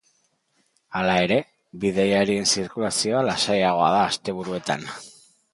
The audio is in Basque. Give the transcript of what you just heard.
Hala ere, bidaiarien zirkulazioa lasaiagoa da asteburuetan.